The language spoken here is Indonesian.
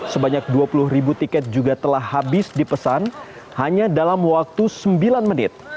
sebanyak dua puluh ribu tiket juga telah habis dipesan hanya dalam waktu sembilan menit